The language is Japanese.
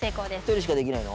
１人しかできないの？